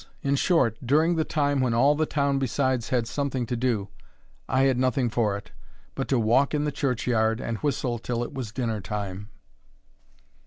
In short, during the time when all the town besides had something to do, I had nothing for it, but to walk in the church yard, and whistle till it was dinner time.